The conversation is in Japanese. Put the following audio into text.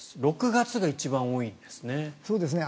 ６月が一番多いんですね。